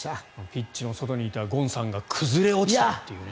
ピッチの外にいたゴンさんが崩れ落ちたという。